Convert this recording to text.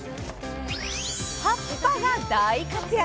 葉っぱが大活躍。